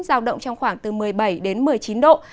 giao động trong khoảng từ một mươi bảy đến một mươi chín độ